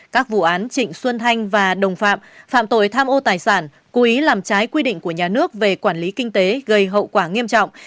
các vụ án trịnh xuân thanh và đồng phạm phạm tội tham ô tài sản cố ý làm trái quy định của nhà nước về quản lý kinh tế gây hậu quả nghiêm trọng